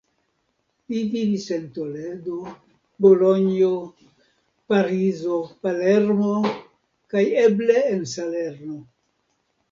Li vivis en Toledo, Bolonjo, Parizo, Palermo kaj eble en Salerno.